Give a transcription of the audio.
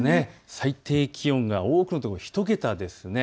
最低気温が多くのところ１桁です。